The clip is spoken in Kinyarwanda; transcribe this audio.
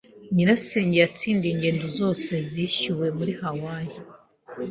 Nyirasenge yatsindiye ingendo zose zishyuwe muri Hawaii.